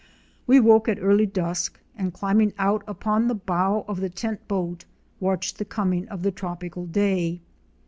We woke at early dusk and climbing out upon the bow of the tent boat watched the coming of the tropical day.